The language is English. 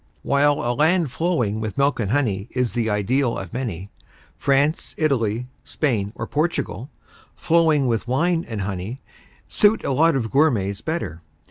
While a land flowing with milk and honey is the ideal of many, France, Italy, Spain or Portugal, flowing with wine and honey, suit a lot of gourmets better.